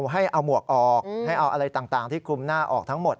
ให้เอาหมวกออกให้เอาอะไรต่างที่คลุมหน้าออกทั้งหมด